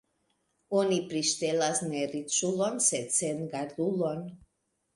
Oni priŝtelas ne riĉulon, sed sengardulon.